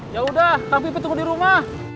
yaudah kang pipet tunggu di rumah